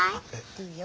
いいよ。